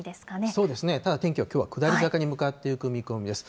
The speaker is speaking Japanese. そうですね、ただ天気はきょうは下り坂に向かっていく見込みです。